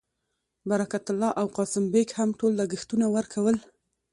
برکت الله او قاسم بېګ هم ټول لګښتونه ورکول.